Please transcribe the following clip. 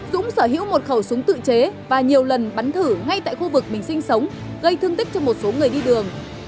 dũng sở hữu một khẩu súng tự chế và nhiều lần bắn thử ngay tại khu vực mình sinh sống gây thương tích cho một số người đi đường